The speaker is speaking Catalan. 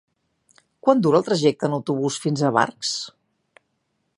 Quant dura el trajecte en autobús fins a Barx?